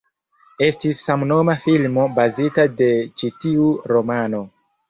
Estis samnoma filmo bazita de ĉi tiu romano.